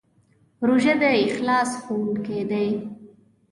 روژه د اخلاص ښوونکی دی.